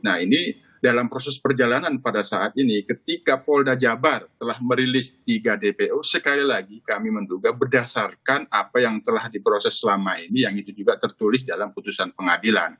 nah ini dalam proses perjalanan pada saat ini ketika polda jabar telah merilis tiga dpo sekali lagi kami menduga berdasarkan apa yang telah diproses selama ini yang itu juga tertulis dalam putusan pengadilan